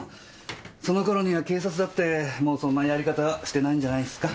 その頃には警察だってもうそんなやり方してないんじゃないすか？